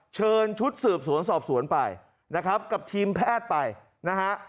เชิญชุดสืบสวนสอบสวนไปนะครับกับทีมแพทย์ไปนะฮะ